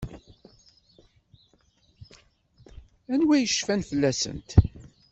Anwa i yecfan fell-asent?